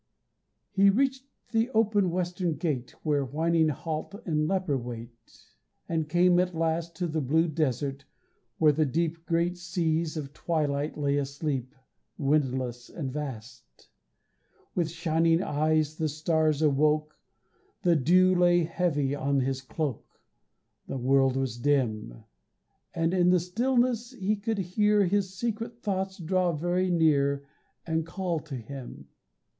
He reached the open western gate Where whining halt and leper wait, And came at last To the blue desert, where the deep Great seas of twilight lay asleep, Windless and vast. With shining eyes the stars awoke, The dew lay heavy on his cloak, The world was dim; And in the stillness he could hear His secret thoughts draw very near And call to him.